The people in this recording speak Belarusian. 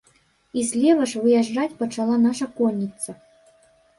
І злева ж выязджаць пачала наша конніца.